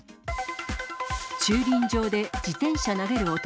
駐輪場で自転車投げる男。